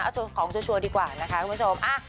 เอาของชัวร์ดีกว่านะคะคุณผู้ชม